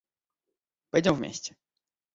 Пойдем вместе.